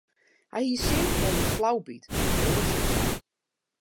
Hy hie sin oan in flaubyt, in broadsje of sa.